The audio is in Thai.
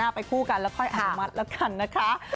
หัวหัวหัวหัวหัวหัวหัวหัวหัว